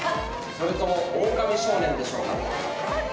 それともオオカミ少年でしょうか？